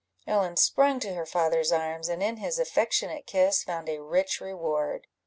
Ellen sprung to her father's arms, and in his affectionate kiss found a rich reward.